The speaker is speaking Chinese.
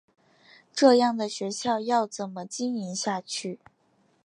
这样的学校要怎么经营下去？